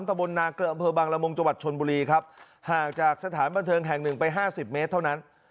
ตะบนนาเกลืออำเภอบังละมุงจังหวัดชนบุรีครับห่างจากสถานบันเทิงแห่งหนึ่งไปห้าสิบเมตรเท่านั้น